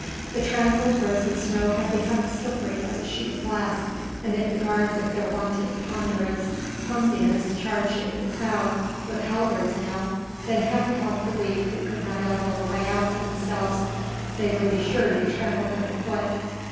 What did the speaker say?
The trampled, frozen snow had become as slippery as a sheet of glass, and if the guard with their wonted ponderous clumsiness charged into the crowd with halberds now, then Heaven help the weak who could not elbow a way out for themselves; they would be sure to be trampled under foot.